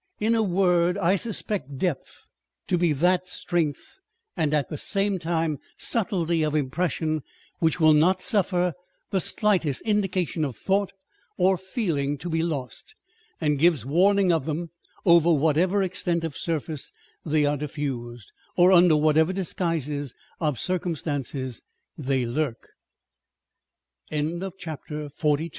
In a word, I suspect depth to be that strength and at the same time subtlety of impression, which will not suffer the slightest indi cation of thought or feeling to be lost, and gives warning of them, over whatever extent of surface they are diffused, or under whatever disguises of circumstances they lur